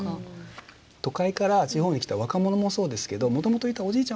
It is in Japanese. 都会から地方に来た若者もそうですけどもともといたおじいちゃん